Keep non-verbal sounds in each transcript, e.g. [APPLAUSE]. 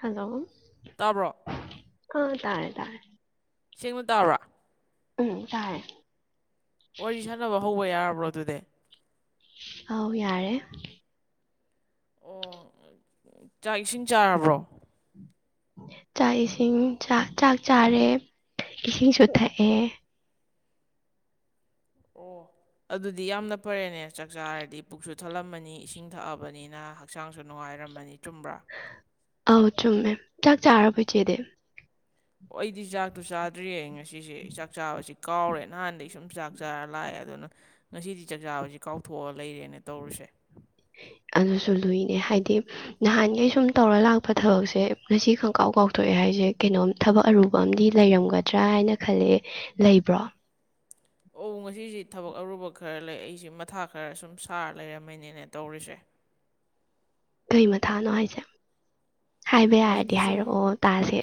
hello ꯇꯥꯕ꯭ꯔꯣ ꯑ ꯇꯥꯔꯦ ꯇꯥꯔꯦ ꯁ‌ꯦꯡꯅ ꯇꯥꯕ꯭ꯔ ꯎꯝ ꯇꯥꯏ ꯋꯥꯔꯤ ꯁꯥꯟꯅꯕ ꯍꯧꯕ ꯌꯥꯔꯕ꯭ꯔꯣ ꯑꯗꯨꯗꯤ ꯑ ꯌꯥꯔꯦ ꯑꯣ ꯆꯥꯛ ꯏꯁꯤꯡ ꯆꯥꯔꯕ꯭ꯔꯣ ꯆꯥꯛ ꯏꯁꯤꯡꯥꯛ ꯆꯥꯛ ꯆꯥꯔꯦ ꯏꯁꯤꯡꯁꯨꯨꯊꯛꯑꯦ ꯑꯣ ꯑꯗꯨꯗꯤ ꯌꯥꯝꯅ ꯐꯔꯦꯅꯦ ꯆꯥꯛꯆꯥꯥꯔꯗꯤ ꯄꯨꯛꯁꯨ ꯊꯠꯂꯝꯃꯅꯤ ꯏꯁꯤꯡ ꯊꯛꯑꯕꯅꯤꯅ ꯍꯛꯆꯥꯡꯁꯨ ꯅꯨꯡꯉꯥꯏꯔꯝꯃꯅꯤ ꯆꯨꯝꯕ꯭ꯔꯥ ꯑꯥꯎ ꯆꯨꯝꯃꯦ ꯀꯥꯛ ꯆ ꯑꯔ ꯄ ꯍ ꯆꯦꯗ ꯑꯩꯗꯤ ꯆꯥꯛꯇꯨ ꯆꯥꯗ꯭ꯔꯤꯌꯦ ꯉꯁꯤꯁꯦ ꯆꯥꯛ ꯆꯥꯕꯁꯤ ꯀꯥꯎꯔꯦ ꯅꯍꯥꯟꯗꯒꯤ ꯁꯨꯝ ꯆꯥꯛ ꯆꯥꯔ ꯂꯥꯛꯑꯦ ꯑꯗꯨꯅ ꯉꯁꯤꯗꯤ ꯆꯥꯛ ꯆꯕꯁꯤ ꯀꯥꯎꯊꯣꯛꯑ ꯂꯩꯔꯦꯅ ꯇꯧꯔꯤꯁꯦ ꯑꯗꯨꯁꯨ ꯂꯨꯏꯅꯦ ꯍꯥꯏꯗꯤ ꯅꯍꯥꯟ ꯑꯩ ꯁꯨꯝ ꯇꯧꯔ ꯂꯥꯛꯄ ꯊꯕꯛꯁꯦ ꯉꯁꯤ ꯈꯪꯀꯥꯎ ꯀꯥꯎꯊꯣꯛꯑꯦ ꯍꯥꯏꯁꯦ ꯀꯩꯅꯣꯝ ꯊꯕꯛ ꯑꯔꯨꯕ ꯑꯃꯗꯤ ꯂꯩꯔꯝꯒꯗ꯭ꯔꯥ ꯍꯥꯏꯅ ꯈꯜꯂꯦ ꯂꯩꯕ꯭ꯔꯣ ꯑꯣ ꯉꯁꯤꯁꯤ ꯊꯕꯛ ꯑꯔꯨꯕ ꯈꯔ ꯂꯩ ꯑꯩꯁꯤ ꯃꯊꯥ ꯈꯔ ꯁꯨꯝ ꯁꯥꯔ ꯂꯩꯔꯝꯃꯅꯤꯅꯦ ꯇꯧꯔꯤꯁꯦ [INAUDIBLE] ꯀꯩ ꯃꯊꯥꯅꯣ ꯍꯥꯏꯁꯦ ꯍꯥꯏꯕ ꯌꯥꯔꯗꯤ ꯑꯩꯗꯤ ꯁꯨꯝ ꯍꯥꯏꯔꯛꯑꯣ ꯇꯥꯁꯦ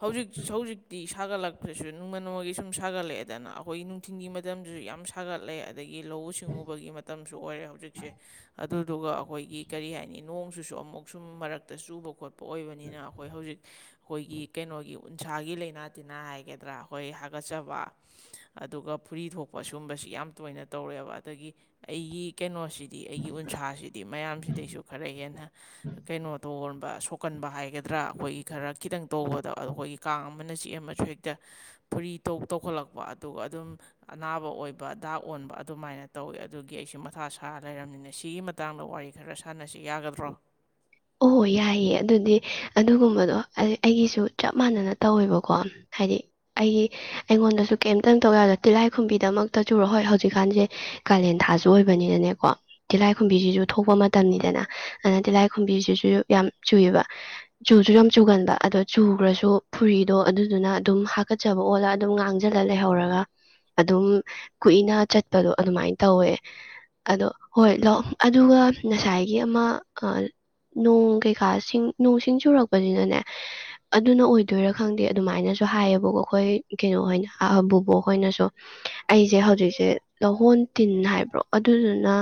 ꯍꯧꯖꯤꯛ ꯍꯧꯖꯤꯛꯇꯤ ꯁꯥꯒꯠꯂꯛꯄꯁꯨ ꯅꯣꯡꯃ ꯅꯣꯡꯃꯒꯤ ꯁꯨꯝ ꯁꯥꯒꯠꯂꯛꯑꯦꯗꯅ ꯑꯩꯈꯣꯏꯒꯤ ꯅꯨꯡꯊꯤꯟꯒꯤ ꯃꯇꯝꯗꯁꯨ ꯌꯥꯝ ꯁꯥꯒꯠꯂꯛꯑꯦ ꯑꯗꯒꯤ ꯂꯧꯎ ꯁꯤꯡꯎꯕꯒꯤ ꯃꯇꯝꯁꯨ ꯑꯣꯏꯔꯦ ꯍꯧꯖꯤꯛꯁꯦ ꯑꯗꯨꯗꯨꯒ ꯑꯩꯈꯣꯏꯒꯤ ꯀꯔꯤ ꯍꯥꯏꯅꯤ ꯅꯣꯡꯁꯨꯁꯨ ꯑꯃꯨꯛ ꯁꯨꯝ ꯃꯔꯛꯇ ꯆꯨꯕ ꯈꯣꯠꯄ ꯑꯣꯏꯕꯅꯤꯅ ꯑꯩꯈꯣꯏ ꯍꯧꯖꯤꯛ ꯑꯩꯈꯣꯏꯒꯤ ꯀꯩꯅꯣꯒꯤ ꯎꯟꯁꯥꯒꯤ ꯂꯩꯅꯥ ꯇꯤꯟꯅꯥ ꯍꯥꯏꯒꯗ꯭ꯔꯥ ꯍꯣꯏ ꯍꯥꯒꯠꯆꯕ ꯑꯗꯨꯒ ꯐꯨꯔꯤ ꯊꯣꯛꯄ ꯀ ꯁꯨꯝꯕꯁꯤ ꯌꯥꯝ ꯇꯣꯏꯅ ꯇꯧꯔꯦꯕ ꯑꯗꯒꯤ ꯑꯩꯒꯤ ꯀꯩꯅꯣꯁꯤ ꯑꯩꯒꯤ ꯎꯟꯁꯥꯁꯤ ꯃꯌꯥꯝꯗ ꯈ ꯍꯦ ꯀꯩꯅꯣ ꯇ ꯁꯣꯛꯀꯟꯕ ꯍꯥꯏꯒꯗ꯭ꯔꯥ ꯑꯩꯈꯣꯏꯒꯤ ꯈꯔ ꯈꯤꯇꯪ ꯇꯧꯕꯗ ꯑꯩꯈꯣꯏꯒꯤ ꯀꯥꯡ ꯑꯃꯅ ꯆꯦ ꯑꯃꯁꯨ ꯍꯦꯛꯇ ꯐꯨꯔꯤ ꯇꯧꯈꯠꯂꯛꯄ ꯑꯗꯨꯒ ꯑꯗꯨꯝ ꯑꯅꯥꯕ ꯑꯣꯏꯕ ꯗꯥꯛ ꯑꯣꯟꯕ ꯑꯗꯨꯃꯥꯏꯅ ꯇꯧꯋꯤ ꯑꯗꯨꯒꯤ ꯑꯩꯁꯨ ꯃꯊꯥ ꯁꯥꯔ ꯂꯩꯔꯕꯝꯅꯤꯅ ꯁꯤꯒꯤ ꯃꯇꯥꯡꯗ ꯋꯥꯔꯤ ꯑꯩ ꯈꯔ ꯁꯥꯟꯅꯁꯤ ꯌꯥꯒꯗ꯭ꯔꯣ ꯑꯣ ꯌꯥꯏꯌꯦ ꯑꯗꯨꯗꯤ ꯑꯗꯨꯒꯨꯝꯕꯗꯣ ꯑꯩꯒꯤꯁꯨ ꯆꯞ ꯃꯥꯟꯅꯅ ꯇꯧꯋꯦꯕꯀꯣ ꯍꯥꯏꯗꯤ ꯑꯩꯒꯤ ꯑꯩꯉꯣꯟꯗꯁꯨ ꯀꯩꯝꯇꯪ ꯇꯧꯋꯦꯗꯣ ꯇꯤꯜꯂꯥꯏꯈꯨꯝꯕꯤꯗꯃꯛꯇ ꯆꯨꯔ ꯍꯣꯏ ꯍꯧꯖꯤꯛꯀꯥꯟꯁꯦ ꯀꯥꯂꯦꯟ ꯊꯥꯁꯨ ꯑꯣꯏꯕꯅꯤꯅꯅꯦꯀꯣ ꯇꯤꯜꯍꯥꯏꯈꯨꯝꯕꯤꯁꯤꯁꯨ ꯊꯣꯛꯄ ꯃꯇꯝꯅꯤꯗꯅ ꯑꯗꯨꯅ ꯇꯤꯜꯂꯥꯏ ꯈꯨꯝꯕꯤꯁꯤꯁꯨ ꯌꯥꯝ ꯆꯨꯏꯑꯕ ꯆꯨꯁꯨ ꯌꯥꯝ ꯆꯨꯒꯟꯕ ꯑꯗꯣ ꯆꯨꯈ꯭ꯔꯁꯨ ꯐꯨꯔꯤꯗꯣ ꯑꯗꯨ ꯑꯗꯨꯅ ꯑꯗꯨꯝ ꯍꯥꯀꯠꯆꯕ ꯑꯣꯜꯂꯒ ꯑꯗꯨꯝ ꯉꯥꯡꯁꯤꯜꯂ ꯂꯩꯍꯧꯔꯒ ꯑꯗꯨꯝ ꯀꯨꯏꯅ ꯆꯠꯄꯗꯣ ꯑꯗꯨꯃꯥꯏꯅ ꯇꯧꯋꯦ ꯑꯗꯣ ꯍꯣꯏ ꯂ ꯑꯗꯨꯒ ꯉꯁꯥꯏꯒꯤ ꯑꯃ ꯅꯣꯡ ꯀꯩꯀꯥ ꯁꯤꯡ ꯅꯣꯡ ꯁꯤꯡ ꯆꯨꯔꯛꯄꯁꯤꯅꯅꯦ ꯑꯗꯨꯅ ꯑꯣꯏꯗꯣꯏꯔꯥ ꯈꯪꯗꯦ ꯑꯗꯨꯃꯥꯏꯅꯁꯨ ꯍꯥꯏꯌꯦꯕꯀꯣ ꯑꯩꯈꯣꯏ ꯀꯩꯅꯣꯍꯅꯕꯨꯕꯣꯛ ꯑꯩꯈꯣꯏꯅꯁꯨ ꯑꯩꯁꯦ ꯍꯧꯖꯤꯛꯁꯦ ꯂꯧꯍꯣꯟ ꯇꯤꯟ ꯍꯥꯏꯕ꯭ꯔꯣ ꯑꯗꯨꯗꯨꯅ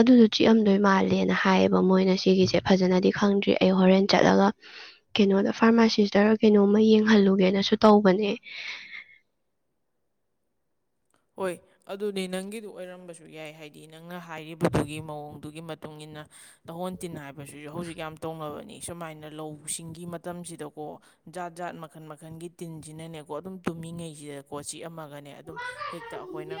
ꯑꯗꯨꯗꯣ ꯆꯤꯛꯑꯝꯗꯣꯏ ꯃꯥꯜ ꯃꯥꯥꯜꯂꯦꯅ ꯍꯥꯏꯌꯦꯕ ꯃꯣꯏꯅ ꯁꯤꯒꯤꯁꯦ ꯁꯦ ꯐꯖꯅꯗꯤ ꯈꯪꯗ꯭ꯔꯤ ꯑꯩ ꯍꯣꯔꯦꯟ ꯆꯠꯂꯒ ꯀꯩꯅꯣꯗ ꯐꯥꯔꯃꯥꯁꯤꯁꯇꯔ ꯀꯩꯅꯣꯝꯃ ꯌꯦꯡꯍꯜꯂꯨꯒꯦꯅ ꯇꯅꯦ ꯍꯣꯏ ꯑꯗꯨꯅꯤ ꯅꯪꯒꯤꯗꯨ ꯑꯣꯏꯔꯝꯕꯁꯨ ꯌꯥꯏ ꯍꯥꯏꯗꯤ ꯅꯪꯅ ꯍꯥꯏꯔꯤꯕꯗꯨꯒꯤ ꯃꯑꯣꯡꯗꯨꯒꯤ ꯃꯇꯨꯡ ꯏꯟꯅ ꯂꯍꯣꯟ ꯇꯤꯟ ꯍꯥꯏꯕꯁꯤꯁꯨ ꯍꯧꯖꯤꯛ ꯌꯥꯝ ꯇꯧꯅꯕꯅꯤ ꯁꯨꯃꯥꯏꯅ ꯂꯧꯁꯤꯡꯒꯤ ꯃꯇꯝꯁꯤꯗꯀꯣ ꯖꯥꯠ ꯖꯥꯠ ꯃꯈꯜ ꯃꯈꯜꯒꯤ ꯇꯤꯟꯁꯤꯅꯅꯦꯀꯣ ꯑꯗꯨꯝ ꯇꯨꯝꯃꯤꯉꯩꯁꯤꯗꯀꯣ ꯆꯤꯛꯑ ꯑꯃꯒꯅꯦ ꯑꯗꯨꯝ ꯍꯦꯛꯇ ꯑꯩꯈꯣꯏꯅ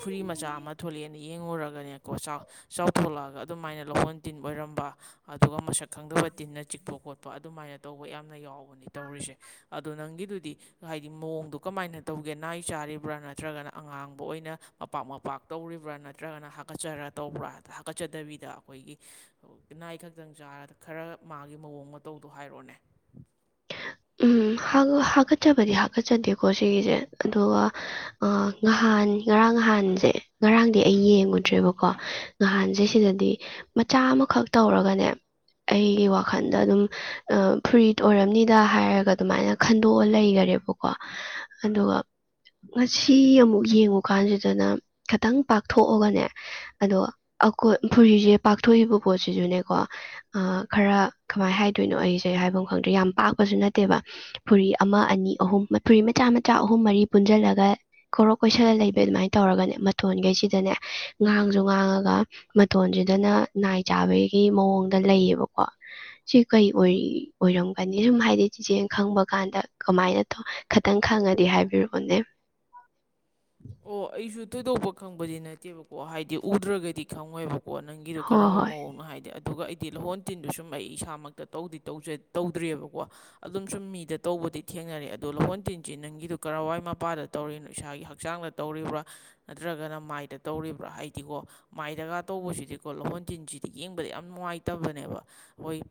ꯐꯨꯔꯤ ꯃꯆꯥ ꯑꯃ ꯊꯣꯛꯂꯛꯑꯦꯅ ꯌꯦꯡꯉꯨꯔꯒꯅꯦꯀꯣ ꯆꯥꯎ ꯊꯣꯛꯣꯂꯛꯑꯒ ꯑꯗꯨꯝꯥꯏꯅ ꯍꯥꯏꯅ ꯂꯧꯍꯣꯟ ꯇꯤꯟ ꯑꯣꯏꯔꯝꯕ ꯑꯗꯨꯒ ꯃꯁꯛ ꯈꯪꯗꯕ ꯇꯤꯟꯅ ꯆꯤꯛꯄ ꯈꯣꯠꯄ ꯑꯗꯨꯃꯥꯏꯅ ꯇꯧꯕ ꯌꯥꯝꯅ ꯌꯥꯎꯕ ꯐꯣꯟꯅꯤ ꯇꯧꯔꯤꯁꯦ ꯑꯗꯣ ꯅꯪꯒꯤꯗꯨꯗꯤ ꯍꯥꯏꯗꯤ ꯃꯑꯣꯡꯗꯣ ꯀꯃꯥꯏꯅ ꯇꯧꯒꯦ ꯅꯥꯏ ꯆꯥꯔꯤꯕ꯭ꯔꯥꯅ ꯅꯠꯇ꯭ꯔꯒꯅ ꯑꯉꯥꯡꯕ ꯑꯣꯏꯅ ꯃꯄꯥꯛ ꯃꯄꯥꯛ ꯇꯧꯔꯤꯕ꯭ꯔꯥ ꯅꯠꯇ꯭ꯔꯒꯅ ꯍꯥꯀꯠꯆꯔ ꯇꯧꯕ꯭ꯔꯥ ꯍꯥꯀꯠꯆꯗꯕꯤ ꯁꯤꯗ ꯑꯩꯈꯣꯏꯒꯤꯅꯥꯏ ꯈꯛꯇꯪ ꯆꯥꯔꯒ ꯈꯔ ꯃꯥꯒꯤ ꯃꯑꯣꯡ ꯃꯇꯧꯗꯣ ꯍꯥꯏꯔꯛꯑꯣꯅꯦ ꯎꯝ ꯍꯥꯀꯠꯆꯕꯗꯤ ꯍꯥꯀꯠꯆꯗꯦꯀꯣ ꯁꯤꯒꯤꯁꯦ ꯑꯗꯨꯒ ꯉꯍꯥꯟ ꯉꯔꯥꯡ ꯉꯍꯥꯟ ꯅꯍꯥꯟꯁꯦ ꯉꯔꯥꯡꯗꯤ ꯑꯩ ꯌꯦꯡꯉꯨꯗ꯭ꯔꯦꯕꯀꯣ ꯅꯍꯥꯟꯁꯦ ꯁꯤꯗꯗꯤ ꯃꯆꯥ ꯑꯃꯈꯛ ꯇꯧꯔ ꯋꯥ ꯐ ꯗ ꯍꯥꯏꯔꯒ ꯑꯗꯨꯃꯥꯏꯅ ꯈꯟꯗꯣꯛꯑ ꯂꯩꯈꯔꯦꯕꯀꯣ ꯑꯗꯨꯒ ꯉꯁꯤ ꯑꯃꯨꯛ ꯌꯦꯡꯉꯨꯀꯥꯟꯁꯤꯗꯅ ꯈꯤꯇꯪ ꯄꯥꯛꯊꯣꯛꯑꯒꯅꯦ ꯑꯗꯣ ꯑꯈꯣꯏ ꯐꯨꯔꯤꯁꯦ ꯄꯥꯛꯊꯣꯛꯏꯕ ꯄꯣꯠꯁꯤꯁꯨꯅꯦꯀꯣ ꯈꯔ ꯀꯃꯥꯏꯅ ꯍꯥꯏꯗꯣꯏꯅꯣ ꯑꯩꯁꯦ ꯍꯥꯏꯕꯐꯝ ꯈꯪꯗꯦ ꯌꯥꯝ ꯄꯥꯛ ꯅꯠꯇꯦꯕ ꯐꯨꯔꯤ ꯑꯃ ꯑꯅꯤ ꯑꯍꯨꯝ ꯐꯨꯔꯤ ꯃꯆꯥ ꯃꯆꯥ ꯑꯍꯨꯝ ꯃꯔꯤ ꯄꯨꯟꯁꯤꯜꯂꯒꯧꯛ ꯀꯣꯏꯁꯜꯂ ꯂꯩꯕ ꯑꯗꯨꯃꯥꯏꯅ ꯇꯧꯔꯒꯅꯦ ꯃꯇꯊꯣꯟꯈꯩꯁꯤꯗꯅꯦ ꯉꯥꯡꯁꯨ ꯉꯥꯡꯉꯒ ꯃꯇꯊꯣꯟꯁꯤꯗꯅ ꯆ ꯃ ꯁꯨꯝ ꯍꯥꯏꯗꯤ ꯆ ꯆꯦꯡ ꯈꯪꯕ ꯀꯥꯟꯗ ꯀꯃꯥꯏꯅ ꯈꯈꯤꯇꯪ ꯈꯪꯉꯗꯤ ꯍꯥꯏꯕꯤꯔꯛꯑꯣꯅꯦ [INAUDIBLE] ꯑꯣ ꯑꯩꯁꯨ ꯊꯣꯏꯗꯣꯛꯄ ꯈꯪꯕꯗꯤ ꯅꯠꯇꯦꯕꯀꯣ ꯍꯥꯏꯗꯤ ꯎꯗ꯭ꯔꯒꯗꯤ ꯈꯪꯉꯣꯏꯕ ꯑꯣ ꯅꯪꯒꯤꯗꯨꯣ ꯍꯣꯏ ꯀꯔꯝꯕ ꯍꯣꯏ ꯃꯑꯣꯡꯅꯣ ꯍꯥꯏꯗꯤ ꯑꯗꯨꯒ ꯑꯩꯗꯤ ꯂꯍꯣꯟ ꯇꯤꯟꯗꯨ ꯁꯨꯝ ꯑꯩ ꯏꯁꯥꯃꯛꯇ ꯇꯧꯗꯤ ꯇꯧꯗ꯭ꯔꯤꯑꯕꯀꯣ ꯑꯗꯨꯝ ꯁꯨꯝ ꯃꯤꯗ ꯇꯧꯕ ꯗꯤ ꯊꯦꯡꯅꯔꯦ ꯑꯗꯣ ꯂꯨꯍꯣꯟ ꯇꯤꯟ ꯆꯤꯟ ꯅꯪꯒꯤꯗꯨ ꯀꯔꯋꯥꯏ ꯃꯄꯥꯗ ꯇꯧꯔꯤꯅꯣ ꯏꯁꯥꯒꯤ ꯍꯛꯆꯥꯡꯗ ꯇꯧꯔꯤꯕ꯭ꯔꯥ ꯅꯠꯇ꯭ꯔꯒꯅ ꯃꯥꯏꯗ ꯇꯧꯔꯤꯕ꯭ꯔꯥ ꯍꯥꯏꯗꯤꯀꯣ ꯃꯥꯏꯗꯒ ꯇꯧꯕꯁꯤꯗꯤꯀꯣ ꯂꯍꯣꯟ ꯊꯤꯟꯁꯤ ꯁꯤꯗꯤ ꯌꯦꯡꯕꯗ ꯌꯥꯝ ꯅꯨꯡꯉꯥꯏꯇꯕꯅꯦꯕ ꯍꯣꯏ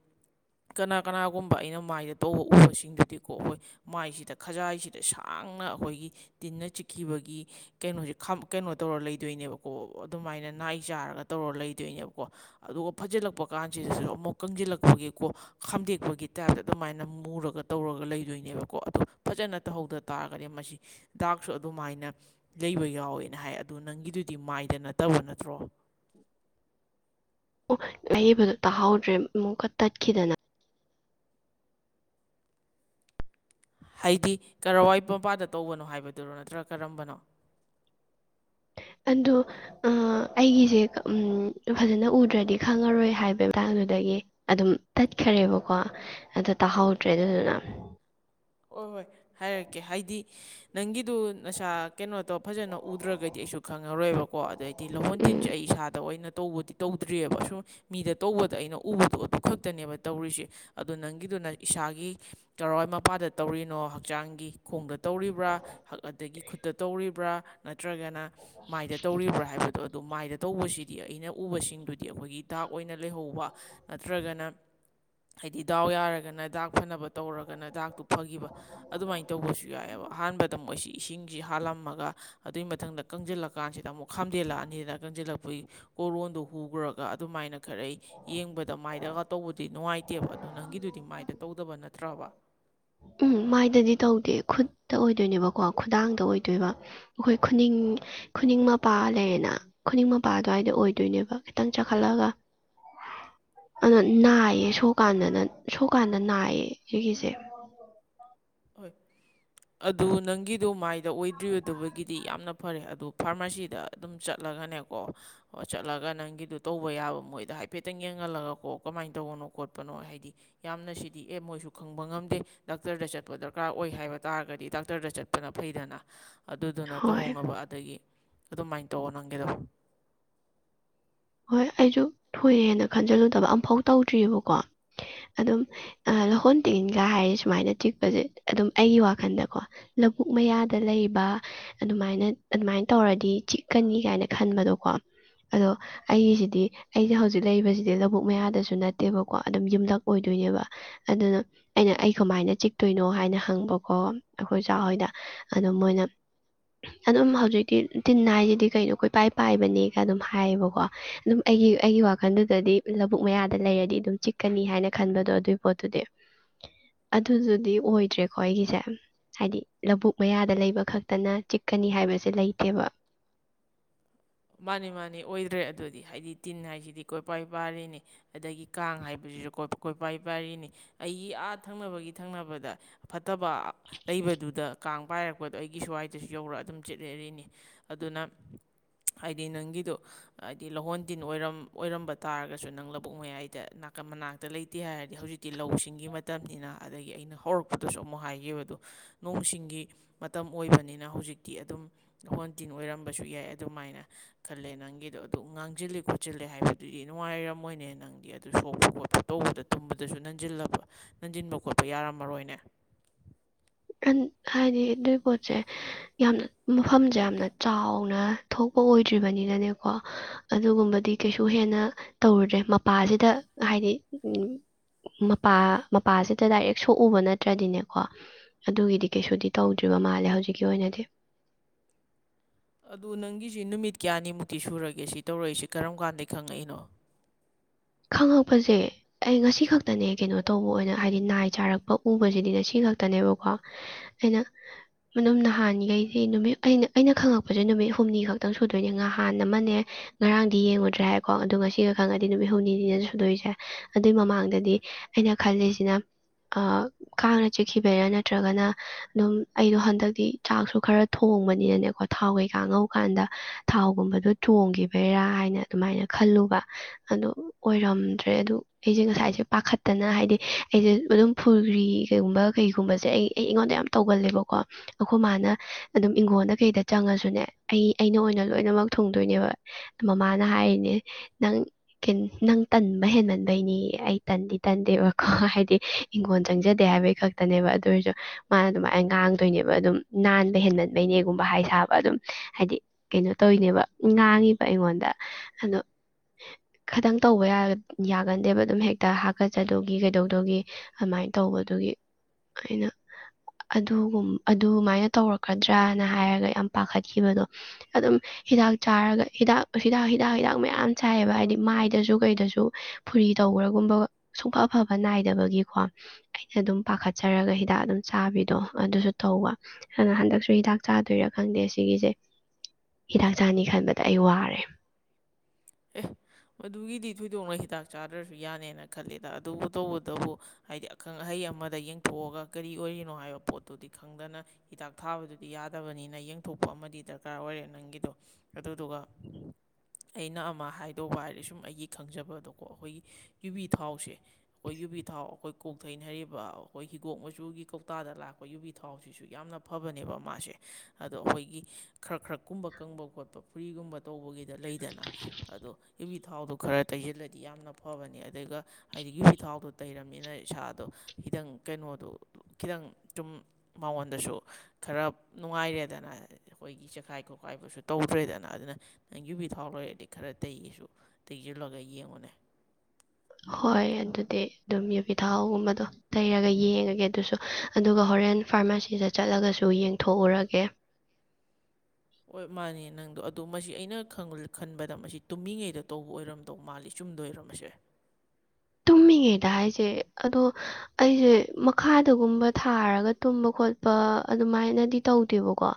ꯀꯅꯥ ꯀꯅꯥꯒꯨꯝꯕ ꯑꯩꯅ ꯃꯥꯏꯗ ꯇꯧꯕ ꯎꯕꯁꯤꯡꯗꯨꯗꯤ ꯀꯣꯛꯑꯣꯣꯏ ꯃꯥꯏꯁꯤꯗ ꯈꯖꯥꯏꯁꯤꯗ ꯁꯥ ꯈꯪꯅ ꯑꯩꯈꯣꯏꯒꯤ ꯇꯤꯟꯅ ꯆꯤꯛꯈꯤꯕꯒꯤ ꯀꯩꯅꯣꯁꯦ ꯀꯩꯅꯣ ꯇꯧꯔ ꯂꯩꯗꯣꯏꯅꯦꯕꯀꯣ ꯑꯗꯨꯃꯥꯏꯅ ꯅꯥꯏ ꯆꯥꯔꯒ ꯇꯧꯔ ꯂꯩꯗꯣꯏꯅꯦꯕꯀꯣ ꯑꯗꯨꯒ ꯐꯖꯤꯜꯂꯛꯄ ꯀꯥꯟꯁꯤꯗꯁꯨ ꯑꯃꯨꯛ ꯀꯪꯁꯤꯜꯂꯛꯄꯒꯤꯀꯣ ꯈꯥꯝꯗꯦꯛꯄꯒꯤ ꯇꯥꯏꯞꯇ ꯑꯗꯨꯃꯥꯏꯅ ꯃꯨꯔꯒ ꯑꯗꯨꯒ ꯇꯧꯔꯒ ꯂꯩꯗꯣꯏꯅꯦꯕ ꯀꯣ ꯑꯗꯣ ꯐꯖꯅ ꯇꯧꯍꯧꯗ ꯇꯥꯔꯒꯗꯤ ꯃꯁꯤ ꯗꯥꯛꯁꯨ ꯑꯗꯨꯃꯥꯏꯅ ꯂꯩꯕ ꯌꯥꯎꯋꯦꯅ ꯍꯥꯏ ꯑꯗꯨ ꯅꯪꯒꯤꯗꯨꯗꯤ ꯃꯥꯏꯗ ꯅꯠꯇꯕ ꯅꯠꯇ꯭ꯔꯣ ꯂꯩꯕꯗꯨꯣ ꯇꯥꯍꯧꯗ꯭ꯔꯦ ꯑꯃꯨꯛꯀ ꯇꯠꯈꯤꯗꯅ ꯍꯥꯏꯗꯤ ꯀꯔꯋꯥꯏ ꯃꯄꯥꯗ ꯇꯧꯕꯅꯣ ꯍꯥꯏꯕꯗꯨꯔꯣ ꯅꯠꯇ꯭ꯔꯒ ꯀꯔꯝꯕꯅꯣ [UNINTELLIGIBLE] ꯑꯗꯣ ꯑꯩꯒꯤꯁꯦ ꯐꯖꯅ ꯎꯗ꯭ꯔꯗꯤ ꯈꯪꯉꯔꯣꯏ ꯍꯥꯏꯕ ꯃꯇꯥꯡꯗꯨꯗꯒꯤ ꯑꯗꯨꯝ ꯇꯠꯈꯔꯦꯕꯀꯣ ꯑꯗꯨ ꯇꯥꯍꯧꯗ꯭ꯔꯦ ꯑꯗꯨꯗꯨꯅ ꯍꯣꯏ ꯍꯣꯏ ꯍꯥꯏꯔꯛꯀꯦ ꯍꯥꯏꯗꯤ ꯅꯪꯒꯤꯗꯨ ꯅꯁꯥ ꯀꯩꯅꯣ ꯇꯣ ꯐꯖꯅ ꯎꯗ꯭ꯔꯒꯗꯤ ꯑꯩꯁꯨ ꯈꯪꯉꯔꯣꯏꯕꯀꯣ ꯑꯗꯩꯗꯤ ꯂꯍꯣꯟ ꯎꯝ ꯇꯤꯟꯁꯦ ꯑꯩ ꯏꯁꯥꯗ ꯑꯣꯏꯅ ꯇꯧꯕꯗꯤ ꯇꯧꯗ꯭ꯔꯤꯑꯕ ꯑꯁꯨꯝ ꯃꯤꯗ ꯇꯧꯕꯗ ꯑꯩꯅ ꯎꯕꯗꯣ ꯑꯗꯨ ꯈꯛꯇꯅꯦꯕ ꯇꯧꯔꯤꯁꯦ ꯑꯗꯣ ꯅꯪꯒꯤꯗ ꯑꯗꯨꯅ ꯏꯁꯥꯒꯤ ꯀꯔꯋꯥꯏ ꯃꯄꯥꯗ ꯇꯧꯔꯤꯅꯣ ꯍꯛꯆꯥꯡꯒꯤ ꯈꯣꯡꯗ ꯇꯧꯔꯤꯕ꯭ꯔꯥ ꯑꯗꯒꯤ ꯈꯨꯠꯇ ꯇꯧꯔꯤꯕ꯭ꯔꯥ ꯅꯠꯇ꯭ꯔꯒꯅ ꯃꯥꯏꯗ ꯇꯧꯔꯤꯕ꯭ꯔꯥ ꯍꯥꯏꯕꯗꯣ ꯑꯗꯣ ꯃꯥꯏꯗ ꯇꯧꯕꯁꯤꯗꯤ ꯑꯩꯅ ꯎꯕꯁꯤꯡꯗꯨꯗꯤ ꯑꯩꯈꯣꯏꯒꯤ ꯏꯇꯥꯛ ꯑꯣꯏꯅ ꯂꯩꯍꯧꯕ ꯅꯠꯇ꯭ꯔꯒꯅ ꯍꯥꯏꯗꯤ ꯗꯥꯎ ꯌꯥꯔꯒꯅ ꯗꯥꯛ ꯐꯅꯕ ꯇꯧꯔꯒꯅ ꯗꯥꯛꯇꯨ ꯐꯈꯤꯕ ꯑꯗꯨꯃꯥꯏꯅ ꯇꯧꯕꯁꯨ ꯌꯥꯏꯑꯕ ꯑꯍꯥꯟꯕꯗ ꯃꯣꯏꯁꯤ ꯏꯁꯤꯡꯁꯤ ꯍꯥꯜꯂꯝꯃꯒ ꯑꯗꯨꯏ ꯃꯊꯗ ꯀꯪꯁꯤꯜꯂꯛꯀꯥꯟꯁꯤꯗ ꯑꯃꯨꯛ ꯈꯥꯝꯗꯦꯜꯂꯛꯑꯅꯤꯅ ꯀꯪꯁꯤꯜꯂꯛꯄ ꯑꯩꯈꯣꯏ ꯀꯣꯔꯣꯟꯗꯣ ꯍꯨꯈ꯭ꯔꯒ ꯑꯗꯨꯃꯥꯏꯅ ꯈꯔ ꯌꯦꯡꯕꯗ ꯃꯥꯏꯗꯒ ꯇꯧꯕꯗꯤ ꯅꯨꯡꯉꯥꯏꯇꯦ ꯅꯠꯇꯦꯕ ꯑꯗꯨ ꯅꯪꯒꯤꯗꯨꯗꯤ ꯃꯥꯏꯗ ꯇꯧꯗꯕ ꯅꯠꯇ꯭ꯔꯕ ꯎꯝ ꯃꯥꯏꯗꯗꯤ ꯇꯧꯗꯦ ꯈꯨꯠꯇ ꯑꯣꯏꯗꯣꯏꯅꯦꯕꯀꯣ ꯈꯨꯗꯥꯡꯗ ꯑꯣꯏꯗꯣꯏꯕ ꯑꯩꯈꯣꯏ ꯈꯨꯅꯤꯡ ꯈꯨꯅꯤꯡ ꯃꯄꯥ ꯂꯩꯌꯦꯅ ꯈꯨꯅꯤꯡ ꯃꯄꯥ ꯑꯗꯨꯋꯥꯏꯗ ꯑꯣꯏꯗꯣꯏꯅꯦꯕ ꯈꯤꯇꯪ ꯆꯈꯠꯂꯒ ꯍ ꯑꯗꯣ ꯅꯥꯏꯌꯦ ꯁꯣꯀꯥꯟꯗꯅ ꯁꯣꯀꯥꯟꯗ ꯅꯥꯏꯌꯦ ꯁꯤꯒꯤꯁꯦ ꯍꯣꯏ ꯑꯗꯨ ꯅꯪꯒꯤꯗꯣ ꯃꯥꯏꯗ ꯑꯣꯏꯗ꯭ꯔꯤꯗꯕꯒꯤꯗꯤ ꯌꯥꯝꯅ ꯐꯔꯦ ꯑꯗꯣ ꯐꯥꯔꯃꯥꯁꯤꯗ ꯑꯗꯨꯝ ꯆꯠꯂꯒꯅꯦꯀꯣ ꯆꯠꯂꯒ ꯅꯪꯒꯤꯗꯣ ꯇꯧꯕ ꯌꯥꯕ ꯃꯣꯏꯗ ꯍꯥꯏꯐꯦꯠꯇꯪ ꯌꯦꯡ ꯈꯪꯍꯜꯂꯒ ꯀꯣ ꯀꯃꯥꯏꯅ ꯇꯧꯕꯅꯣ ꯈꯣꯠꯄꯅꯣ ꯍꯥꯏꯗꯤ ꯌꯥꯝꯅ ꯁꯤꯗꯤ ꯑꯦ ꯃꯣꯏꯁꯨ ꯈꯪꯕ ꯉꯝꯗꯦ ꯗꯥꯛꯇꯔꯗ ꯆꯠ ꯗꯔꯀꯥꯔ ꯑꯣꯏ ꯍꯥꯏꯕ ꯇꯥꯔꯒꯗꯤ ꯗꯥꯛꯇꯔꯗ ꯆꯠꯄꯅ ꯐꯩꯗꯅ ꯑꯗꯨꯗꯨꯅ ꯍꯣꯏ ꯇꯧꯍꯧꯅꯕ ꯑꯗꯒꯤ ꯑꯗꯨꯃꯥꯏꯅ ꯇꯧꯔ ꯅꯪꯒꯗꯕ ꯍꯣꯏ ꯑꯩꯁꯨ ꯊꯨꯑ ꯍꯥꯏꯅ ꯈꯟꯖꯤꯜꯂꯨꯗꯕ ꯑꯃꯝꯐꯥꯎ ꯇꯧꯗ꯭ꯔꯤꯑꯕꯀꯣ ꯑꯗꯨꯝ ꯂꯍꯣꯟ ꯇꯤꯟꯒ ꯍꯥꯏꯔꯤ ꯁꯨꯃꯥꯏꯅ ꯆꯤꯛꯄꯁꯦ ꯑꯗꯨꯝ ꯑꯩꯒꯤ ꯋꯥꯈꯜꯗꯀꯣ ꯂꯧꯕꯨꯛ ꯃꯌꯥꯗ ꯂꯩꯕ ꯑꯗꯨꯃꯥꯏꯅ ꯑꯗꯨꯃꯥꯏꯅ ꯇꯧꯔꯗꯤ ꯆꯤꯛꯀꯅꯤ ꯀꯥꯏꯅ ꯈꯟꯕꯗꯣꯀꯣ ꯑꯗꯣ ꯑꯩꯒꯤꯁꯤꯗꯤ ꯑꯩꯁꯦ ꯍꯧꯖꯤꯛ ꯂꯩꯔꯤꯕꯁꯤꯗꯤ ꯂꯧꯕꯨꯛ ꯃꯌꯥꯗꯁꯨ ꯅꯠꯇꯦꯕꯀꯣ ꯑꯗꯨꯝ ꯌꯨꯝꯂꯛ ꯑꯣꯏꯗꯣꯏꯅꯦꯕ ꯑꯗꯨꯅ ꯑꯩꯅ ꯑꯩ ꯀꯃꯥꯏꯅ ꯆꯤꯛꯇꯣꯏꯅꯣ ꯍꯥꯏꯅ ꯍꯪꯕꯀꯣ ꯑꯩꯈꯣꯏ ꯑꯣꯖꯥ ꯍꯣꯏꯗ ꯑꯗꯣ ꯃꯣꯏꯅ ꯑꯗꯨꯝ ꯍꯧꯖꯤꯛꯇꯤ ꯇꯤꯟ ꯍꯥꯏꯁꯤꯗꯤ ꯀꯩꯅꯣ ꯀꯣꯏꯄꯥꯏ ꯄꯥꯏꯕꯅꯦꯒ ꯑꯗꯨꯝ ꯍꯥꯏꯌꯦꯕꯀꯣ ꯑꯗꯨꯝ ꯑꯩꯒꯤ ꯑꯩꯒꯤ ꯋꯥꯈꯜꯗꯨꯗꯗꯤ ꯂꯧꯕꯨꯛ ꯃꯌꯥꯗ ꯂꯩꯔꯗꯤ ꯑꯗꯨꯝ ꯆꯤꯛꯀꯅꯤ ꯍꯥꯏꯅ ꯈꯟꯕꯗꯣ ꯑꯗꯨꯒꯤ ꯄꯣꯠꯇꯨꯗꯤ ꯑꯗꯨꯗꯨꯗꯤ ꯑꯣꯏꯗ꯭ꯔꯦꯀꯣ ꯑꯩꯒꯤꯁꯦ ꯍꯥꯏꯗꯤ ꯂꯧꯕꯨꯛ ꯃꯌꯥꯗ ꯂꯩꯕ ꯈꯛꯇꯅ ꯆꯤꯛꯀꯅꯤ ꯍꯥꯏꯕꯁꯦ ꯂꯩꯇꯦꯕ [UNINTELLIGIBLE] ꯃꯥꯅꯤ ꯃꯥꯅꯤ ꯑꯣꯏꯗ꯭ꯔꯦ ꯑꯗꯨꯗꯤ ꯍꯥꯏꯗꯤ ꯇꯤꯟ ꯍꯥꯏꯁꯤꯗꯤ ꯀꯣꯏꯄꯥꯏ ꯄꯔꯤꯅꯤ ꯑꯗꯒꯤ ꯀꯥꯡ ꯍꯥꯏꯕꯁꯨ ꯀꯣꯏ ꯄꯥꯏ ꯄꯥꯏꯔꯤꯅꯤ ꯑꯩꯒꯤ ꯑꯥꯠ ꯊꯪꯅꯕꯒꯤ ꯊꯪꯅꯕꯗ ꯐꯠꯇꯕ ꯂꯩꯕꯗꯨꯗ ꯀꯥꯡ ꯄꯥꯏꯔꯛꯄꯗꯣ ꯑꯩꯒꯤ ꯁ꯭ꯋꯥꯏꯗꯁꯨ ꯌꯧꯔꯒ ꯑꯗꯨꯝ ꯆꯤꯠꯂꯏꯅꯤ ꯑꯗꯨꯅ ꯍꯥꯏꯗꯤ ꯅꯪꯒꯤꯗꯣ ꯍꯥꯏꯗꯤ ꯂꯍꯣꯟ ꯇꯤꯟꯔꯝ ꯑꯣꯏꯔꯝꯕ ꯇꯥꯔꯒꯁꯨ ꯅꯪ ꯂꯧꯕꯨꯛ ꯃꯌꯥꯏꯗ ꯅꯥꯀꯟ ꯃꯅꯥꯛꯇ ꯂꯩꯇꯦ ꯍꯥꯏꯔꯗꯤ ꯍꯧꯖꯤꯛꯇꯤ ꯂꯧꯁꯤꯡꯒꯤ ꯃꯇꯝꯅꯤꯅ ꯑꯗꯒꯤ ꯑꯩꯅ ꯍꯧꯔꯛꯄꯗꯁꯨ ꯑꯃꯨꯛ ꯍꯥꯏꯒꯕꯗꯣ ꯅꯣꯡꯁꯤꯡꯒꯤ ꯃꯇꯝ ꯑꯣꯏꯕꯅꯤꯅ ꯍꯧꯖꯤꯛꯇꯤ ꯑꯗꯨꯝ ꯍꯣꯟ ꯇꯤꯟ ꯑꯣꯏꯔꯝꯕꯁꯨ ꯌꯥꯏ ꯑꯗꯨꯃꯥꯏꯅ ꯈꯜꯂꯦ ꯅꯪꯒꯤꯗꯣ ꯑꯗꯨ ꯉꯥꯡꯁꯤꯜꯜꯂꯤꯦ ꯈꯣꯠꯆꯤꯜꯂꯦ ꯍꯥꯏꯕꯗꯨꯗꯤ ꯅꯨꯡꯉꯥꯏꯔꯝꯃꯣꯏꯅꯦ ꯅꯪꯗꯤ ꯑꯗꯨ ꯁꯣꯛ ꯇꯧꯕꯗ ꯊꯨꯝꯕꯗꯁꯨ ꯅꯟꯜꯂꯕ ꯅꯟꯁꯤꯟꯕ ꯈꯣꯠꯄ ꯌꯥꯔꯝꯃꯔꯣꯏꯅꯦ [INAUDIBLE] ꯍꯥꯏꯗꯤ ꯑꯗꯨꯏ ꯄꯣꯠꯁꯦ ꯌꯥꯝꯅ ꯃꯐꯝꯁꯦ ꯌꯥꯝꯅ ꯆꯥꯎꯅ ꯊꯣꯛꯄ ꯑꯣꯏꯗ꯭ꯔꯤꯕꯅꯤꯅꯅꯦꯀꯣ ꯑꯗꯨꯒꯨꯝꯕꯗꯤ ꯀꯩꯁꯨ ꯍꯦꯟꯅ ꯇꯧꯔꯨꯗ꯭ꯔꯦ ꯃꯄꯥꯁꯤꯗ ꯍꯥꯏꯗꯤ ꯎꯝ ꯃꯄꯥ ꯃꯄꯥꯁꯤꯗ ꯗꯥꯏꯔꯦꯛ ꯁꯣꯛꯎꯕ ꯅꯠꯇ꯭ꯔꯗꯤꯅꯦꯀꯣ ꯑꯗꯨꯒꯤꯗꯤ ꯀꯩꯁꯨꯗꯤ ꯇꯧꯗ꯭ꯔꯤꯕ ꯃꯥꯜꯂꯦ ꯍꯧꯖꯤꯛꯀꯤ ꯑꯣꯏꯅꯗꯤ ꯑꯗꯨ ꯅꯪꯒꯤꯁꯤ ꯅꯨꯃꯤꯠ ꯀꯌꯥꯅꯤꯃꯨꯛꯇꯤ ꯁꯨꯔꯒꯦ ꯁꯤ ꯇꯧꯔꯛꯏꯁꯤ ꯀꯔꯝ ꯀꯥꯟꯗꯗꯒꯤ ꯈꯪꯉꯛꯏꯅꯣ ꯈꯪꯉꯛꯄꯁꯦ ꯑꯩ ꯉꯁꯤ ꯈꯛꯇꯅꯦ ꯀꯩꯅꯣ ꯇꯧꯕ ꯑꯣꯏꯅ ꯍꯥꯏꯗꯤ ꯅꯥꯏ ꯆꯥꯔꯛꯄ ꯎꯕꯁꯤꯗꯤ ꯉꯁꯤ ꯈ ꯈꯇꯅꯦꯕꯀꯣ ꯑꯩꯅ ꯑꯗꯨꯝ ꯅꯍꯥꯟꯈꯩꯗꯤ ꯅꯨꯃꯤꯠ ꯑꯩꯅ ꯑꯩꯅ ꯈꯪꯉꯛꯄꯁꯦ ꯅꯨꯃꯤꯠ ꯍꯨꯝꯅꯤ ꯈꯛꯇꯪ ꯁꯨꯗꯣꯏꯅꯦ ꯅꯍꯥꯟ ꯑꯃꯅꯦ ꯉꯔꯥꯡꯗꯤ ꯌꯦꯡꯨꯗ꯭ꯔꯦ ꯍꯥꯏꯀꯣ ꯑꯗꯣ ꯉꯁꯤꯒ ꯈꯪꯉꯗꯤ ꯅꯨꯃꯤꯠ ꯍꯨꯝꯅꯤ ꯁꯤꯅ ꯁꯨꯗꯣꯏꯁꯦ ꯑꯗꯨꯏ ꯃꯃꯥꯡꯗꯗꯤ ꯑꯩꯅ ꯈꯜꯂꯤꯁꯤꯅ ꯀꯥꯡꯅ ꯆꯤꯛꯈꯤꯕꯔꯥ ꯅꯠꯇ꯭ꯔꯒꯅ ꯑꯗꯨꯝ ꯑꯩꯗꯣ ꯍꯟꯗꯛꯇꯤ ꯆꯥꯛꯁꯨ ꯈꯔ ꯊꯣꯛ ꯇꯣꯡꯕꯅꯤꯅꯅꯦꯀꯣ ꯊꯥꯎꯈꯩ ꯀꯥꯡꯍꯧ ꯀꯥꯟꯗ ꯊꯥꯎꯒꯨꯝꯕꯗꯣ ꯇꯣꯡꯈꯤꯕꯩꯔꯥ ꯍꯥꯏꯅ ꯑꯗꯨꯃꯥꯏꯅ ꯈꯜꯂ ꯂ ꯑꯗꯨ ꯑꯣꯏꯔꯝꯗ꯭ꯔꯦ ꯑꯗꯨ ꯑꯩꯁꯦ ꯉꯁꯥꯏꯁꯦ ꯄꯥꯈꯠꯇꯅ ꯍꯥꯏꯗꯤ ꯑꯩꯁꯦ ꯑꯗꯨꯝ ꯐꯨꯒ꯭ꯔꯤ ꯀꯩꯒꯨꯝꯕ ꯀꯩꯒꯨꯝꯕꯁꯦ ꯑꯩ ꯑꯩꯉꯣꯟꯗ ꯌꯥꯝ ꯇꯧꯒꯜꯂꯦꯕꯀꯣ ꯑꯩꯈꯣꯏ ꯃꯥꯅ ꯑꯗꯨꯝ ꯏꯪꯈꯣꯟꯜꯗ ꯀꯩꯗ ꯆꯪꯉꯁꯨꯅꯦ ꯑꯩ ꯑꯩꯅ ꯑꯣꯏꯅ ꯂꯣꯏꯅꯃꯛ ꯊꯨꯡꯗꯣꯏꯅꯦꯕ ꯃꯃꯥꯅ ꯍꯥꯏꯔꯤꯅꯦ ꯅꯪ ꯅꯪ ꯇꯟꯕ ꯍꯦꯟꯍꯟꯕꯩꯅꯤ ꯑꯩ ꯇꯟꯗꯤ ꯇꯟꯗꯦꯕꯀꯣ ꯍꯥꯏꯗꯤ ꯍꯪꯈꯣꯣꯟ ꯆꯪꯖꯗꯦ ꯍꯥꯏꯕꯩ ꯈꯛ ꯉꯥꯛꯇꯅꯦꯕ ꯑꯗꯨ ꯑꯣꯏꯔꯁꯨ ꯃꯥꯅ ꯑꯗꯨꯃꯥꯏꯅ ꯉꯥꯡꯗꯣꯏꯅꯦꯕ ꯑꯗꯨꯝ ꯅꯥꯟꯕ ꯍꯦꯟꯃꯟꯕꯩꯅꯦꯒꯨꯝꯕ ꯍꯥꯏ ꯁꯥꯕ ꯑꯗꯨꯝ ꯍꯥꯏꯗꯤ ꯀꯩꯅꯣ ꯇꯧꯔꯤꯅꯦꯕ ꯉꯥꯡꯉꯤꯕ ꯑꯩꯉꯣꯟꯗ ꯑꯗꯣ ꯈꯤꯇꯪ ꯇꯧꯕ ꯌꯥꯒꯟꯗꯦꯕ ꯑꯗꯨꯝ ꯍꯦꯛꯇ ꯍꯥꯀꯠꯆꯗꯒꯤ ꯀꯩꯗꯧꯗꯒꯤ ꯑꯗꯨꯃꯥꯏꯅ ꯇꯧꯕꯗꯨꯒꯤ ꯑꯅ ꯑꯗꯨꯒꯨꯝ ꯑꯗꯨꯃꯥꯏꯅ ꯇꯧꯔꯛꯀꯗ꯭ꯔꯅ ꯍꯥꯏꯔꯒ ꯌꯥꯝ ꯄꯥꯈꯠꯈꯤꯕꯗꯣ ꯑꯗꯨꯝ ꯍꯤꯗꯥꯛ ꯆꯥꯔꯒ ꯍꯤꯗꯥꯛ ꯍꯤꯗꯥꯛ ꯍꯤꯗꯥꯛ ꯍꯤꯗꯥꯛ ꯃꯌꯥꯝ ꯁꯥꯏꯑꯕ ꯍꯥꯏꯗꯤ ꯃꯥꯏꯗꯁꯨ ꯀꯩꯗꯁꯨ ꯐꯨꯔꯤ ꯇꯧꯕ꯭ꯔꯥꯒꯨꯝꯕ ꯁꯨꯡꯐ ꯑꯐꯕ ꯅꯥꯏꯗꯕꯒꯤꯀꯣ ꯑꯩꯅ ꯑꯗꯨꯝ ꯄꯥꯈꯠꯆꯩ ꯊꯔꯒ ꯍꯤꯗꯥꯛ ꯑꯗꯨꯝ ꯆꯥꯕꯤꯗꯣ ꯑꯗꯨꯁꯨ ꯊꯧꯕ ꯑꯗꯨꯅ ꯍꯟꯗꯛꯁꯨ ꯍꯤꯗꯥꯛ ꯆꯥꯗꯣꯏꯔꯥ ꯈꯪꯗꯦ ꯁꯤꯒꯤꯁꯦ ꯍꯤꯗꯥꯛ ꯆꯥꯅꯤ ꯈꯟꯕꯗ ꯑꯩ ꯋꯥꯔꯦ ꯑꯦ ꯃꯗꯨꯒꯤꯗꯤ ꯊꯣꯏꯗꯣꯛꯅ ꯍꯤꯗꯥꯛ ꯆꯥꯗ꯭ꯔꯁꯨ ꯌꯥꯅꯦꯅ ꯈꯜꯂꯦꯗ ꯑꯗꯨꯕꯨ ꯇꯧꯕꯇꯕꯨ ꯍꯥꯏꯗꯤ ꯑꯈꯪ ꯑꯍꯩ ꯑꯃꯗ ꯌꯦꯡꯊꯣꯛꯑꯒ ꯀꯔꯤ ꯑꯣꯏꯔꯤꯅꯣ ꯍꯥꯏꯕ ꯄꯣꯠꯇꯨꯗꯤ ꯈꯪꯗꯅ ꯍꯤꯗꯥꯛ ꯊꯥꯕꯗꯨꯗꯤ ꯌꯥꯗꯕꯅꯤꯅ ꯊꯣꯛꯄ ꯑꯃꯗꯤ ꯗꯔꯀꯥꯔ ꯑꯣꯏꯔꯦ ꯅꯪꯒꯤꯗꯣ ꯑꯗꯨꯗꯨꯒ ꯑꯩꯅ ꯃꯥ ꯍꯥꯏꯗꯧꯕ ꯍꯥꯏꯔꯗꯤ ꯁꯨꯝ ꯑꯩꯒꯤ ꯈꯪꯖꯕ ꯑꯗꯣꯀꯣ ꯑꯩꯈꯣꯏꯒꯤ ꯌꯨꯕꯤ ꯊꯥꯎꯁꯦ ꯑꯩꯈꯣꯏ ꯌꯨꯕꯤ ꯊꯥꯎ ꯑꯩꯈꯣꯏ ꯀꯣꯛꯊꯩꯅ ꯍꯥꯏꯔꯤꯕ ꯑꯩꯈꯣꯏ ꯍꯤꯒꯣꯛ ꯃꯆꯨꯒꯤ ꯀꯧꯇꯥꯗ ꯂꯥꯛꯄ ꯌꯨꯕꯤ ꯊꯥꯎꯁꯤꯁꯨ ꯌꯥꯝꯅ ꯐꯕꯅꯦꯕ ꯃꯥꯁꯦ ꯑꯗꯣ ꯑꯩꯈꯣꯏꯒꯤ ꯈꯔ ꯈꯔ ꯀꯨꯝꯕ ꯀꯪꯕ ꯈꯣꯠꯄ ꯐꯨꯔꯤꯒꯨꯝꯕ ꯇꯧꯕꯒꯤꯗ ꯂꯩꯗꯅ ꯑꯗꯣ ꯌꯨꯕꯤ ꯊꯥꯎꯗꯣ ꯈꯔ ꯇꯩꯁꯤꯜꯂꯗꯤ ꯌꯥꯝꯅ ꯐꯕꯅꯤ ꯑꯗꯨꯒ ꯍꯥꯏꯗꯤ ꯌꯨꯕꯤ ꯊꯥꯎꯗꯣ ꯇꯩꯔꯝꯅꯤꯅ ꯏꯁꯥꯗꯣ ꯈꯤꯇꯪ ꯀꯩꯅꯣꯗꯣ ꯈꯤꯇꯪ ꯆꯨꯝ ꯃꯉꯣꯟꯗꯁꯨ ꯈꯔ ꯅꯨꯡꯉꯥꯏꯔꯦꯗꯅ ꯑꯩꯈꯣꯏꯒꯤ ꯆꯦꯈꯥꯏ ꯈꯣꯠꯈꯥꯏꯕꯁꯨ ꯇꯧꯗ꯭ꯔꯦꯗꯅ ꯑꯗꯨꯅ ꯅꯪ ꯌꯨꯕꯤ ꯊꯥꯎ ꯂꯩꯔꯗꯤ ꯈꯔ ꯇꯩꯏꯁꯨ ꯇꯦꯛꯁꯤꯜꯂꯒ ꯌꯦꯡꯉꯨꯅꯦ ꯍꯣꯏ ꯑꯗꯨꯗꯤ ꯑꯗꯨꯝ ꯌꯄꯤ ꯊꯥꯎꯒꯨꯝꯕꯗꯣ ꯇꯩꯔꯒ ꯌꯦꯡꯉꯒꯦ ꯑꯗꯨꯁꯨ ꯑꯗꯨꯒ ꯍ ꯍꯣꯔꯦꯟ ꯐꯥꯔꯃꯥꯁꯤꯗ ꯆꯠꯂꯒꯁꯨ ꯌꯦꯡꯊꯣꯛꯎꯔꯒꯦ ꯍꯣꯏ ꯃꯥꯅꯦ ꯅꯪꯗꯣ ꯑꯗꯨꯗ ꯃꯁꯤ ꯑꯩꯅ ꯈꯟꯕꯗ ꯃꯁꯤ ꯇꯨꯝꯃꯤꯉꯩꯗ ꯇꯧꯕ ꯑꯣꯏꯔꯝꯗꯧ ꯃꯥꯜꯂꯤꯨꯝ ꯇꯨꯝꯗꯣꯏ ꯑꯣꯏꯔꯝꯁꯦ [INAUDIBLE] ꯇꯨꯝꯃꯤꯉꯩꯗ ꯍꯥꯏꯁꯦ ꯑꯗꯣ ꯑꯩꯁꯦ ꯃꯈꯥꯗꯒꯨꯝꯕ ꯊꯥꯔꯒ ꯇꯨꯝꯕ ꯈꯣꯠ ꯑꯗꯨꯃꯥꯏꯅꯗꯤ ꯇꯧꯗꯦꯕꯀꯣ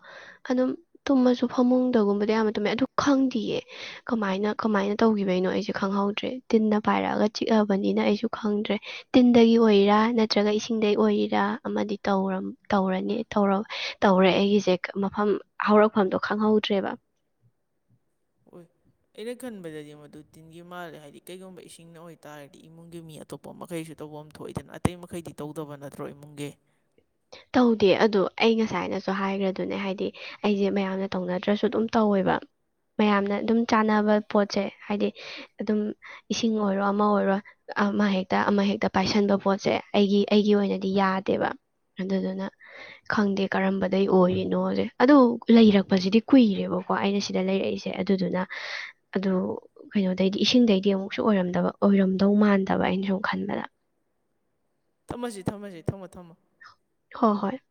ꯑꯗꯨꯝ ꯇꯨꯝꯃꯁꯨ ꯐꯃꯨꯡꯗꯒꯨꯝꯕꯗ ꯌꯥꯝꯅ ꯇꯨꯝꯃꯦ ꯑꯗꯨ ꯈꯪꯗꯌꯦ ꯀꯃꯥꯏꯅ ꯀꯃꯥꯏꯅ ꯇꯧꯈꯤꯕꯩꯅꯣ ꯑꯩꯁꯦ ꯈꯪꯍꯧꯗ꯭ꯔꯦ ꯇꯤꯟꯅ ꯄꯥꯏꯔꯛꯑꯒ ꯅꯤꯅ ꯑꯩꯁꯨ ꯈꯪꯗ꯭ꯔꯦ ꯇꯤꯟꯗꯒꯤ ꯑꯣꯏꯔꯥ ꯅꯠꯇ꯭ꯔꯒ ꯏꯁꯤꯡ ꯑꯣꯏꯔꯥ ꯑꯃꯗꯤ ꯇꯧꯔ ꯇꯧꯔꯅꯤꯧ ꯇꯧꯔꯦ ꯑꯩꯒꯤꯁꯦ ꯃꯐꯝ ꯍꯧꯔꯛꯐꯝꯗꯣ ꯈꯪꯍꯧꯗ꯭ꯔꯦꯕ ꯎꯝ ꯑꯣꯏꯣꯏ ꯑꯩꯅ ꯈꯟꯕꯗꯗꯤ ꯃꯗꯨ ꯇꯤꯟꯈꯤꯕ ꯃꯥꯜꯂꯦ ꯍꯥꯏꯗꯤ ꯀꯩꯒꯨꯝꯕ ꯏꯁꯤꯡꯅ ꯑꯣꯏꯇꯥꯥꯔꯗꯤ ꯏꯃꯨꯡꯒꯤ ꯃꯤ ꯑꯇꯣꯞꯄ ꯃꯈꯩꯁꯨ ꯇꯧꯕ ꯑꯃ ꯊꯣꯛꯑꯏꯗꯅ ꯑꯇꯩ ꯃꯈꯩꯗꯤ ꯇꯧꯗꯕ ꯅꯠꯇ꯭ꯔꯣ ꯏꯃꯨꯡꯒꯤ [UNINTELLIGIBLE] ꯇꯧꯗꯦ ꯑꯗꯨꯗꯣ ꯑꯩ ꯉꯁꯥꯏꯅꯁꯨ ꯍꯥꯏꯈ꯭ꯔꯗꯨꯅꯦ ꯍꯥꯏꯗꯤ ꯑꯩꯁꯦ ꯃꯌꯥꯝꯅ ꯇꯧꯅꯗ꯭ꯔꯁꯨ ꯑꯗꯨꯝ ꯇꯧꯋꯦꯕ ꯋꯥ ꯃꯌꯥꯝꯅ ꯑꯗꯨꯝ ꯆꯥꯅꯕ ꯄꯣꯠꯁꯦ ꯍꯥꯏꯗꯤ ꯑꯗꯨꯝ ꯏꯁꯤꯡ ꯑꯣꯏꯔꯣ ꯑꯃ ꯑꯣꯏꯔꯣ ꯑꯃ ꯍꯦꯛꯇ ꯑꯃꯍꯦꯛꯇ ꯄꯥꯏꯁꯟꯕ ꯄꯣꯠꯁꯦ ꯑꯩꯒꯤ ꯑꯩꯒꯤ ꯑꯣꯏꯅꯗꯤ ꯌꯥꯗꯦꯕ ꯑꯗꯨꯗꯨꯅ ꯈꯪꯗꯦ ꯀꯔꯝꯕꯗꯒꯤꯩ ꯑꯣꯏꯔꯤꯅꯣꯁꯦ ꯑꯗꯣ ꯂꯩꯔꯛꯄꯁꯤꯗꯤ ꯀꯨꯏꯔꯦꯕꯀꯣ ꯑꯩꯅ ꯁꯤꯗ ꯂꯩꯔꯛꯏꯁꯦ ꯁꯦ ꯑꯗꯨꯗꯨꯅ ꯑꯗꯨ ꯀꯩꯅꯣꯗꯩꯗꯤ ꯏꯁꯤꯡꯗꯩꯗꯤ ꯑꯃꯨꯛꯁꯨ ꯑꯣꯏꯔꯝꯗꯕ ꯑꯣꯏꯔꯝꯗꯧ ꯃꯥꯟꯗꯕ ꯩꯅꯁꯨ ꯈꯟꯕꯗ ꯊꯝꯃꯁꯤ ꯊꯝꯃꯁꯤ ꯊꯝꯃꯣ ꯊꯝꯃꯣ ꯍ ꯍꯣꯏ